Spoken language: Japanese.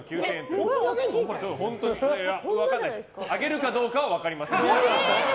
あげるかどうかは分かりません。